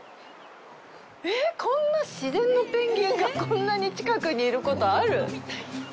えっ、こんな自然のペンギンがこんなに近くにいることある？